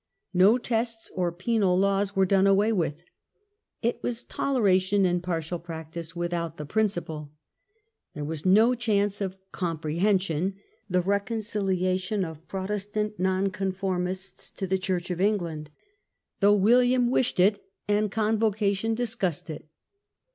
No tests or penal laws were done away with. It was toleration in partial practice without the principle. There was no chance of "com prehension", — the reconciliation of Protestant noncon formists to the Church of England — though William wished it and Convocation discussed it.